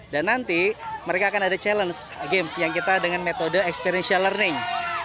dan nanti mereka akan ada challenge games yang kita dengan metode experiential learning